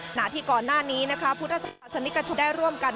หน้าที่ก่อนหน้านี้นะคะพุทธศาสนิกชนได้ร่วมกัน